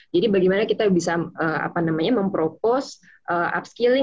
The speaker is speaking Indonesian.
jadi bagaimana kita bisa mempropos upskilling